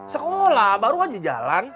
sekolah baru aja jalan